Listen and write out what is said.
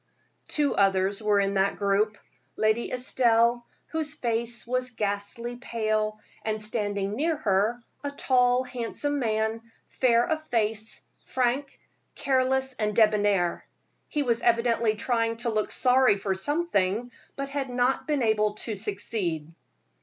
Two others were in that group Lady Estelle, whose face was ghastly pale; and standing near her, a tall, handsome man, fair of face, frank, careless and debonair. He was evidently trying to look sorry for something, but had not been able to succeed.